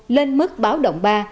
lên mức báo động ba